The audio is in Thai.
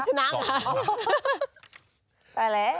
มันจะเกาะขาคุณสนหรรับ